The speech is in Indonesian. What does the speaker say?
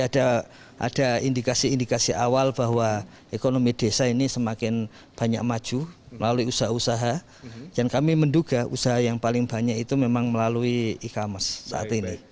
jadi ada indikasi indikasi awal bahwa ekonomi desa ini semakin banyak maju melalui usaha usaha dan kami menduga usaha yang paling banyak itu memang melalui ikhams saat ini